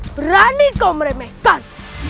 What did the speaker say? berani kau meremehkan